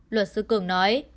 luật sư cường nói